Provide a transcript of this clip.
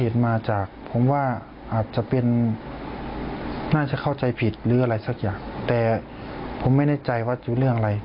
แต่ผมไม่แน่ใจว่าจะเป็นเรื่องอะไร